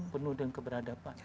penuh dengan keberadaban